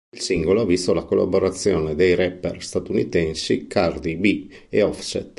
Il singolo ha visto la collaborazione dei rapper statunitensi Cardi B e Offset.